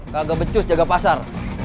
kagak becus jaga pasar